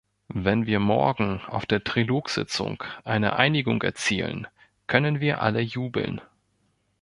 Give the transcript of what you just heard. Wenn wir morgen auf der Trilog-Sitzung eine Einigung erzielen, können wir alle jubeln.